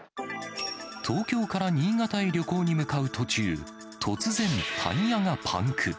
東京から新潟へ旅行に向かう途中、突然、タイヤがパンク。